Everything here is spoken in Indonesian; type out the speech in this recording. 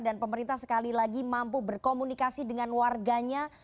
dan pemerintah sekali lagi mampu berkomunikasi dengan warganya